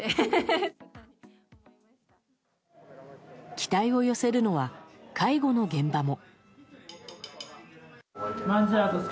期待を寄せるのは介護の現場も。